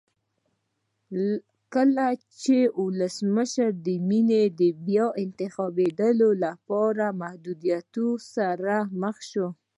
کله چې ولسمشر مینم د بیا انتخابېدو لپاره له محدودیتونو سره مخ شو.